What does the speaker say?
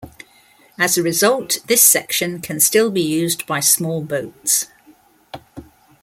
As a result, this section can still be used by small boats.